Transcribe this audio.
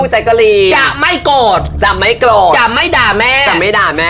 แจ๊กกะลีจะไม่โกรธจะไม่โกรธจะไม่ด่าแม่จะไม่ด่าแม่